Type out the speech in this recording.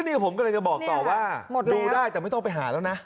นี่ผมกำลังจะบอกต่อว่าดูได้แต่ไม่ต้องไปหาแล้วนะ